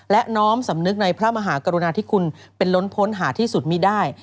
และน้อมสำนึกในพระมหากรุณาธิคุณเป็นล้นพ้นหาที่สุดมีได้